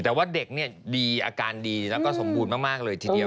แต่เด็กอาการดีสมบูรณ์มาก